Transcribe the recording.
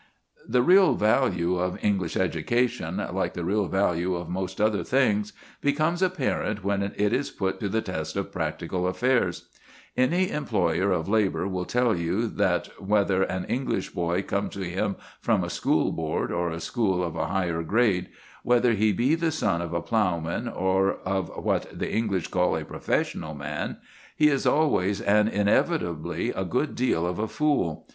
The real value of English education, like the real value of most other things, becomes apparent when it is put to the test of practical affairs. Any employer of labour will tell you that, whether an English boy come to him from a board school or a school of a higher grade, whether he be the son of a ploughman or of what the English call a professional man, he is always and inevitably a good deal of a fool.